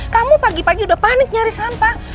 kamu pagi pagi udah panik nyari sampah